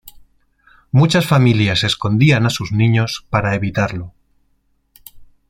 Muchas familias escondían a sus niños para evitarlo.